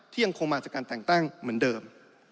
ยังคงมาจากการแต่งตั้งเหมือนเดิม